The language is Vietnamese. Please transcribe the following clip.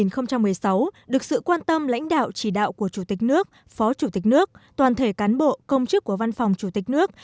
năm hai nghìn một mươi sáu được sự quan tâm lãnh đạo chỉ đạo của chủ tịch nước phó chủ tịch nước toàn thể cán bộ công chức của văn phòng chủ tịch nước